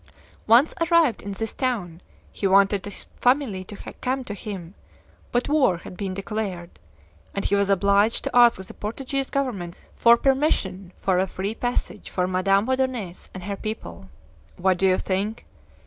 Once arrived in this town he wanted his family to come to him, but war had been declared, and he was obliged to ask the Portuguese government for permission for a free passage for Madame Odonais and her people. What do you think?